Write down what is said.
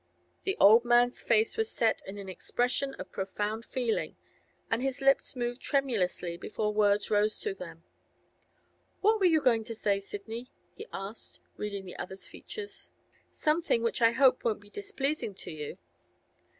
The old man's face was set in an expression of profound feeling, and his lips moved tremulously before words rose to them. 'What were you going to say, Sidney?' he asked, reading the other's features. 'Something which I hope won't be displeasing to you.